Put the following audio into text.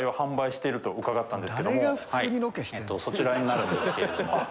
そちらになるんですけれども。